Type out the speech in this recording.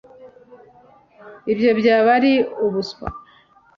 ibyo byaba ari ubuswa